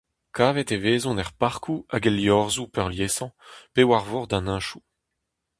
Kavet e vezont er parkoù hag el liorzhoù peurliesañ, pe war vord an hentoù.